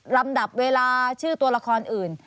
ลำดับเวลาชื่อตัวละครอื่น